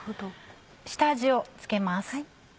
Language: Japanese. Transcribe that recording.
下味を付けます。